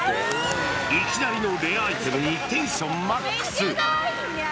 いきなりのレアアイテムにテンションマックス。